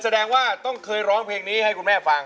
แสดงว่าต้องเคยร้องเพลงนี้ให้คุณแม่ฟัง